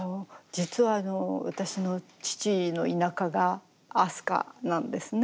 実は私の父の田舎が明日香なんですね。